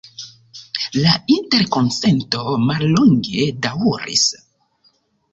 La interkonsento mallonge daŭris.